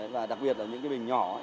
và đặc biệt là những cái bình nhỏ